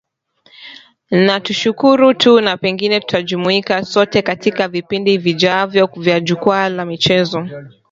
na tukushukuru tu na pengine tutajumuika sote katika vipindi vijavyo vya jukwaa la michezo